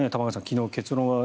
昨日、結論は。